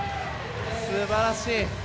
すばらしい。